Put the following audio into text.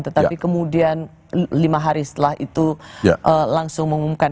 tetapi kemudian lima hari setelah itu langsung mengumumkan